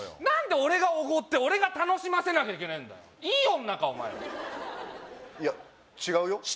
何で俺がおごって俺が楽しませなきゃいけねえんだよいい女かお前らいや違うよ？